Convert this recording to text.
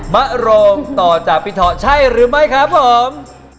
มะโรงต่อจากพี่เทาะใช่หรือไม่ครับผม